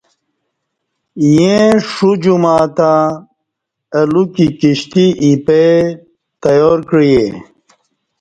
ییں شو جمعہ تہ اہ لوکی کشتی اِیپہ تیار کعئے